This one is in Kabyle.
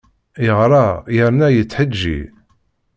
Yeɣra yerna yettḥeǧǧi!